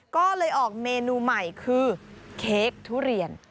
ก็เลยออกเมนูใหม่คือเค้กทุเรียน